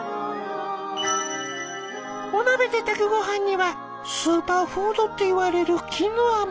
お鍋で炊くごはんにはスーパーフードっていわれるキヌアも。